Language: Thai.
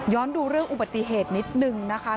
ดูเรื่องอุบัติเหตุนิดนึงนะคะ